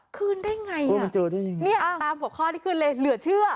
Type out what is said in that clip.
คืนได้ยังไงนี่ตามหัวข้อที่ขึ้นเลยเหลือเชื่อ